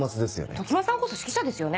常葉さんこそ指揮者ですよね？